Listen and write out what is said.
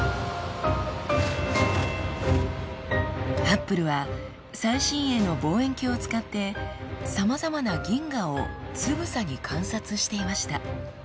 ハッブルは最新鋭の望遠鏡を使ってさまざまな銀河をつぶさに観察していました。